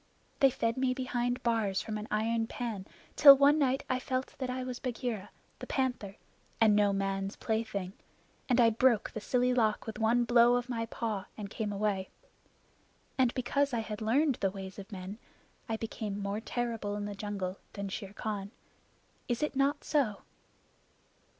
They fed me behind bars from an iron pan till one night I felt that I was Bagheera the Panther and no man's plaything, and I broke the silly lock with one blow of my paw and came away. And because I had learned the ways of men, I became more terrible in the jungle than Shere Khan. Is it not so?"